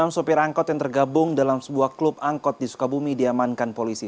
enam sopir angkot yang tergabung dalam sebuah klub angkot di sukabumi diamankan polisi